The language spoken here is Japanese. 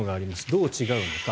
どう違うのか。